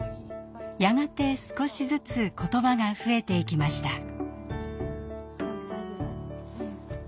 やがて少しずつ言葉が増えていきました。